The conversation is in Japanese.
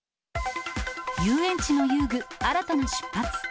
遊園地の遊具、新たな出発。